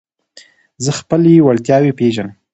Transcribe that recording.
زه خپلي وړتیاوي پېژنم.